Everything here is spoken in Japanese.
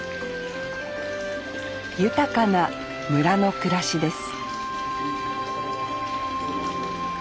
豊かな村の暮らしです